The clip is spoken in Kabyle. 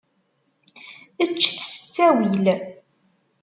Ččet s ttawil.